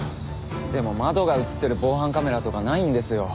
でも窓が映ってる防犯カメラとかないんですよ。